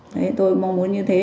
đấy tôi mong muốn như thế